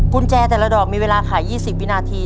กุญแจแต่ละดอกมีเวลาขาย๒๐วินาที